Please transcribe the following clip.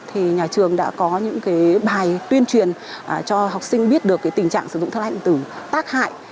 thì nhà trường đã có những cái bài tuyên truyền cho học sinh biết được cái tình trạng sử dụng thuốc lá điện tử tác hại